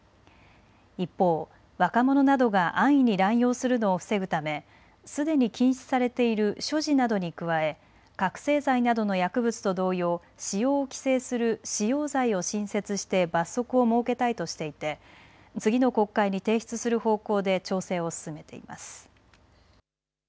一方、若者などが安易に乱用するのを防ぐためすでに禁止されている所持などに加え覚醒剤などの薬物と同様使用を規制する使用罪を新設して罰則を設けたいとしていて次の国会に提出する方向で調整を進めています。